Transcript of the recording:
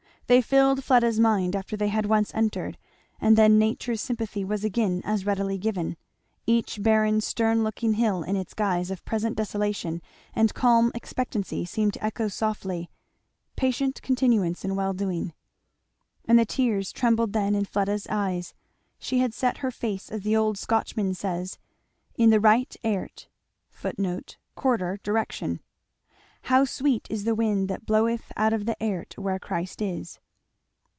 They filled Fleda's mind, after they had once entered, and then nature's sympathy was again as readily given; each barren stern looking hill in its guise of present desolation and calm expectancy seemed to echo softly, "patient continuance in well doing." And the tears trembled then in Fleda's eyes; she had set her face, as the old Scotchman says, "in the right airth. [Footnote: quarter, direction]" "How sweet is the wind that bloweth out of the airth where Christ is!"